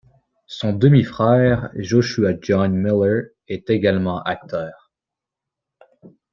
Son demi-frère, Joshua John Miller, est également acteur.